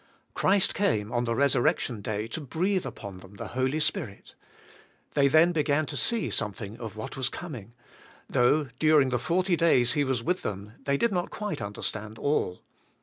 Christ came on the resur rection day to breathe upon them the Holy Spirit. They then began to see something of what was coming, though during the 40 days He was with them they did not quite understand all.